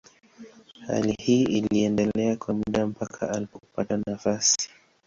Hali hii iliendelea kwa muda mpaka alipopata nafasi.